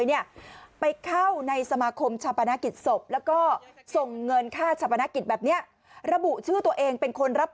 ใช่นอกจากนี้๒ปีก่อนค่ะ